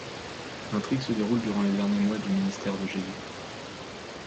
L'intrigue se déroule durant les derniers mois du ministère de Jésus.